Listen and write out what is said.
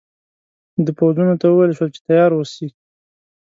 د پوځونو ته وویل شول چې تیار اوسي.